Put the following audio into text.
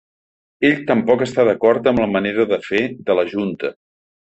Ell tampoc està d’acord amb la manera de fer de la junta.